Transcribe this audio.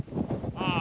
ああ。